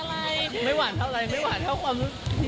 ไม่หวานเท่าอะไรไม่หวานเท่าความปรุง